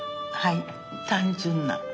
はい単純な。